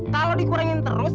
kalau dikurangin terus